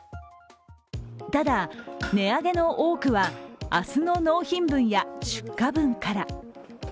ただ値上げの多くは明日の納品分や出荷分から。